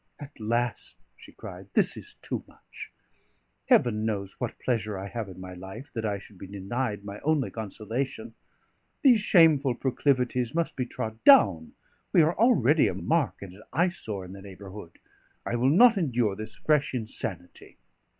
"At last," she cried, "this is too much! Heaven knows what pleasure I have in my life, that I should be denied my only consolation. These shameful proclivities must be trod down; we are already a mark and an eye sore in the neighbourhood. I will not endure this fresh insanity."